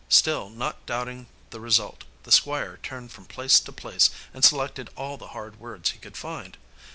Still not doubting the result, the Squire turned from place to place and selected all the hard words he could find.